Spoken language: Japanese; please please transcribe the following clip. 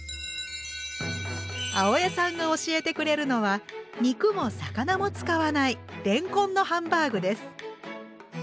青江さんが教えてくれるのは肉も魚も使わないれんこんのハンバーグです。